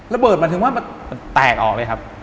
ระเบิดหมายถึงว่าแตกออกเลยครับ